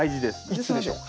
いつでしょう？